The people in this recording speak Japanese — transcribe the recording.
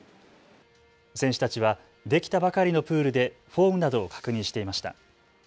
選手たちはできたばかりのプールでフォームなどを確認していました。